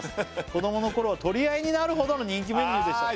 「子どもの頃は取り合いになるほどの人気メニューでした」